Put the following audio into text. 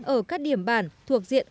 ở các điểm bản thuộc diện ổn định